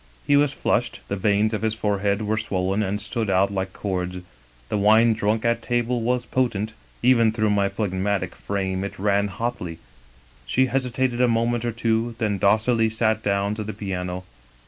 He was flushed; the veins of his forehead were swollen and stood out like cords ; the wine drunk at table was potent : even through my phlegmatic frame it ran hotly. " She hesitated a moment or two, then docilely sat down to the piano.